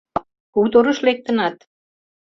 — Хуторыш лектынат?